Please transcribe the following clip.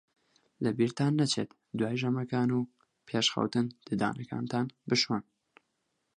لەبیرتان نەچێت دوای ژەمەکان و پێش خەوتن ددانەکانتان بشۆن.